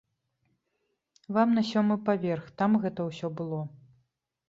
Вам на сёмы паверх, там гэта ўсё было.